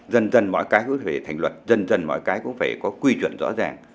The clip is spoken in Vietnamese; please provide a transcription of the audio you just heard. dần dần mọi cái cũng phải thành luật dần dần mọi cái cũng phải có quy chuẩn rõ ràng